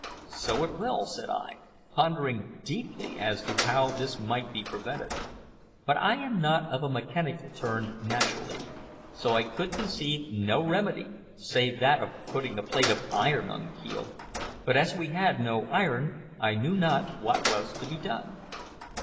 "So it will," said I, pondering deeply as to how this might be prevented. But I am not of a mechanical turn naturally, so I could conceive no remedy save that of putting a plate of iron on the keel; but as we had no iron, I knew not what was to be done.